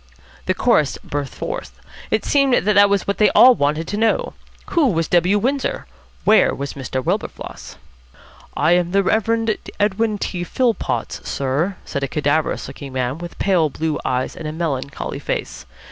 The chorus burst forth. It seemed that that was what they all wanted to know: Who was W. Windsor? Where was Mr. Wilberfloss? "I am the Reverend Edwin T. Philpotts, sir," said a cadaverous looking man with pale blue eyes and a melancholy face.